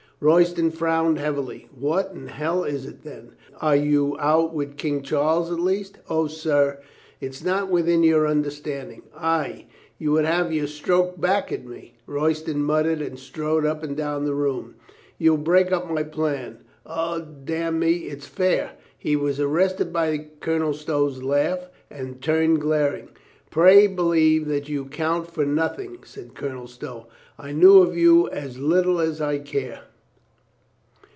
396 COLONEL GREATHEART Royston frowned heavily. "What in hell is it then? Are you out with King Charles at last?" "O, sir, it's not within your understanding." "Ay, you would have your stroke back at me," Royston muttered and strode up and down the room. "You'd break up my plan. Od damn me, it's fair." He was arrested by Colonel Stow's laugh, and turned glaring. "Pray believe that you count for nothing," said Colonel Stow. "I knew of you as little as I care."